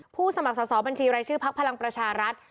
สมัครสอบบัญชีรายชื่อพักพลังประชารัฐ